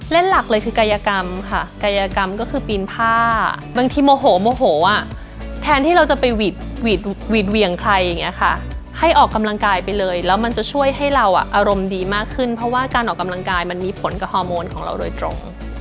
หลักเลยคือกายกรรมค่ะกายกรรมก็คือปีนผ้าบางทีโมโหโมโหอ่ะแทนที่เราจะไปหวีดเหวี่ยงใครอย่างนี้ค่ะให้ออกกำลังกายไปเลยแล้วมันจะช่วยให้เราอารมณ์ดีมากขึ้นเพราะว่าการออกกำลังกายมันมีผลกับฮอร์โมนของเราโดยตรง